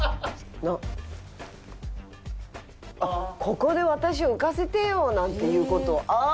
「ここで私を浮かせてよ」なんていう事ああ！